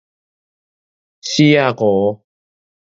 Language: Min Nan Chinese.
拭仔糊